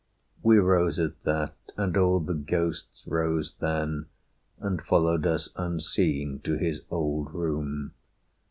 We rose at that, and all the ghosts rose then, And followed us unseen to his old room.